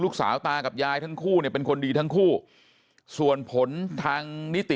ตากับยายทั้งคู่เนี่ยเป็นคนดีทั้งคู่ส่วนผลทางนิติ